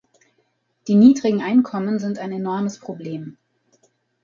Die niedrigen Einkommen sind ein enormes Problem.